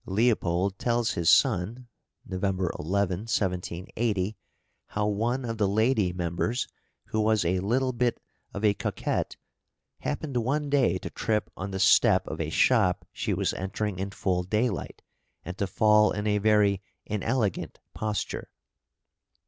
Leopold tells his son (November 11, 1780) how one of the lady members, who was a little bit of a coquette, happened one day to trip on the step of a shop she was entering in full daylight, and to fall in a very inelegant posture.